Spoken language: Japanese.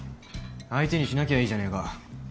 相手にしなきゃいいじゃねえか。